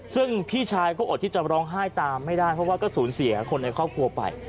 ซึ่งพี่ชายก็อดที่จะร้องไห้ตามไม่ได้เพราะว่าก็สูญเสียคนในครอบครัวไป